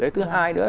thứ hai nữa